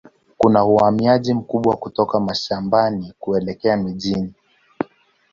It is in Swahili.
Kuna uhamiaji mkubwa kutoka mashambani kuelekea mjini.